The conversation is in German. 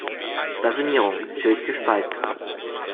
Blasonierung: Schild gespalten.